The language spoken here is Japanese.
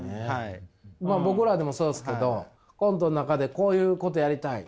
まあ僕らでもそうですけどコントの中でこういうことやりたい。